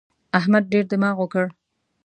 احمد ډېر دماغ وکړ.